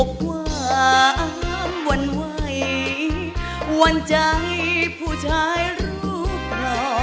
อกว้างหวั่นไหววันใจผู้ชายรูปรอ